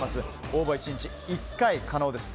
応募は１日１回可能です。